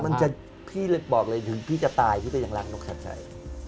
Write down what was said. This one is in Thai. มันจะพี่เลยบอกเลยถึงพี่จะตายพี่ก็ยังรักนกขาดใจ